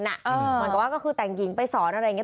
เหมือนกับว่าก็คือแต่งหญิงไปสอนอะไรอย่างนี้